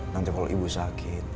nanti kalau ibu sakit